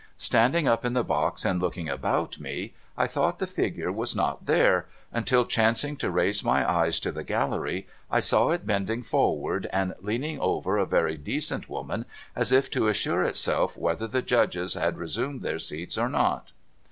Standing up in the box and looking about me, I thought the figure was not there, until, chancing to raise my eyes to the gallery, I saw it bending forward, and leaning over a very decent woman, as if to assure itself whether the Judges had resumed their scats or not.